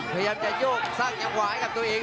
พยายามจะโยกสร้างจังหวะให้กับตัวเอง